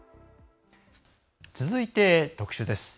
続いて特集です。